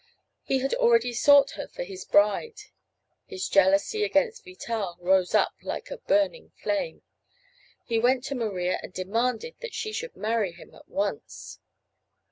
He had already sought her for his bride. His jealousy against Vital rose up like a burning flame. He went to Maria and demanded that she should marry him at once.